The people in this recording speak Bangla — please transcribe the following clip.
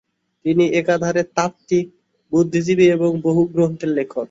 তিনি একাধারে তাত্ত্বিক, বুদ্ধিজীবী এবং বহু গ্রন্থের লেখক।